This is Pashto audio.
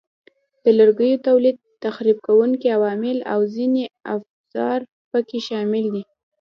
د لرګیو تولید، تخریب کوونکي عوامل او ځینې افزار پکې شامل دي.